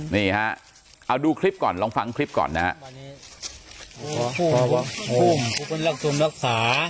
นี่ฮะเอาดูคลิปก่อนลองฟังคลิปก่อนนะฮะ